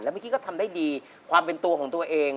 เมื่อกี้ก็ทำได้ดีความเป็นตัวของตัวเอง